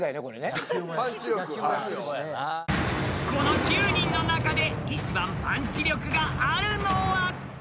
［この９人の中で一番パンチ力があるのは？］